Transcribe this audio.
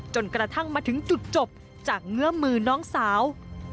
จนกระทั่งมาถึงจุดจบจากเงื้อมือน้องสาว